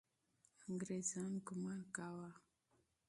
انګریزان ګمان کاوه.